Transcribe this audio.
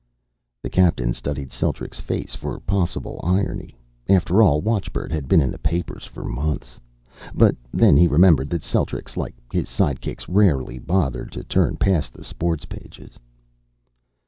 The captain studied Celtrics' face for possible irony; after all, watchbird had been in the papers for months. But then he remembered that Celtrics, like his sidekicks, rarely bothered to turn past the sports pages.